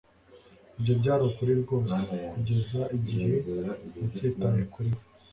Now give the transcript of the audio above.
ibyo byari ukuri rwose kugeza igihe natsitaye kuri we